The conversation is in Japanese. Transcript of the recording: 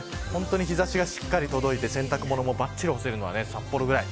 日差しがしっかり届いて洗濯物もばっちり干せるのは札幌ぐらい。